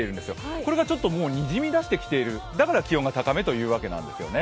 これがちょっともうにじみ出してきているだから気温が高めというわけなんですね。